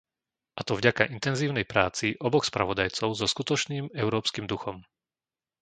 A to vďaka intenzívnej práci oboch spravodajcov so skutočným európskym duchom.